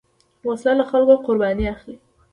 وسله له خلکو قرباني اخلي